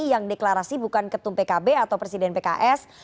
yang deklarasi bukan ketum pkb atau presiden pks